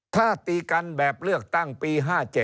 ถ้าตีกันแบบเลือกตั้งปี๕๗